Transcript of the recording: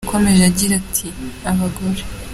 Yakomeje agira ati Abagore.